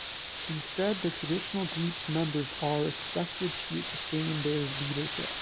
Instead the traditional group's members are expected to sustain their leadership.